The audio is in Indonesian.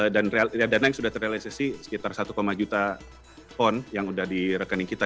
dan dana yang sudah terrealisasi sekitar satu satu juta pon yang sudah di rekening kita